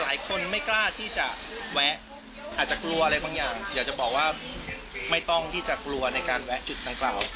หลายคนไม่กล้าที่จะแวะอาจจะกลัวอะไรบางอย่างอยากจะบอกว่าไม่ต้องที่จะกลัวในการแวะจุดดังกล่าว